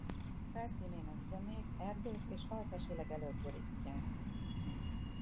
Felszínének zömét erdők és alpesi legelők borítják.